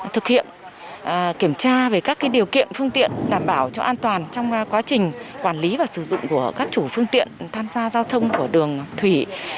thực hiện kiểm tra về các điều kiện phương tiện đảm bảo cho an toàn trong quá trình quản lý và sử dụng của các chủ phương tiện tham gia giao thông của đường thủy